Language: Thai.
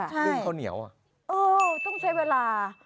ใช่ดึงข้าวเหนียวอ่ะเออต้องใช้เวลา